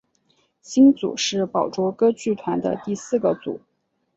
星组是宝冢歌剧团的第四个组。